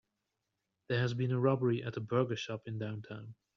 There has been a robbery at the burger shop in downtown.